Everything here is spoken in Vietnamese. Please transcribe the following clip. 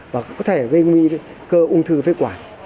và có thể gây nguy cơ ung thư phế quản